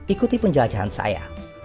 ikuti penjelajahan saya